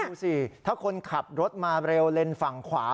ดูสิถ้าคนขับรถมาเร็วเลนส์ฝั่งขวา